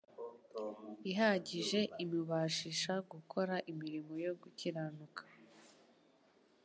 ihagije imubashisha gukora imirimo yo gukiranuka.